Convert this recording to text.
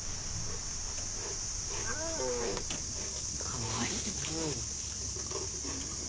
かわいい。